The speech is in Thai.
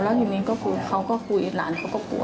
แล้วทีนี้ก็คุยเขาก็คุยหลานเขาก็กลัว